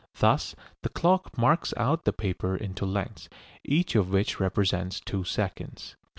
Thus the clock marks out the paper into lengths, each of which represents two seconds.